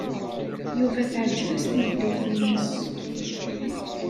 Yuba teɛjeb-as tmeddurt-nnes.